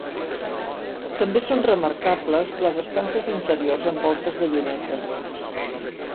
També són remarcables les estances interiors amb voltes de llunetes.